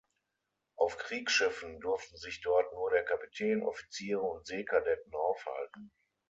Auf Kriegsschiffen durften sich dort nur der Kapitän, Offiziere und Seekadetten aufhalten.